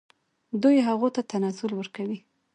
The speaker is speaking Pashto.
دوی هغوی ته تنزل ورکوي.